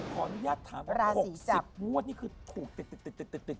ขออนุญาฏถามนะ๖๐โน๊ตนี่คือถูก